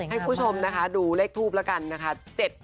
ให้คุณผู้ชมดูเลขทูบละกันนะคะ